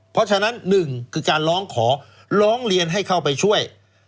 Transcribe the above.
เพราะฉะนั้นหนึ่งคือการร้องขอร้องเรียนให้เข้าไปช่วย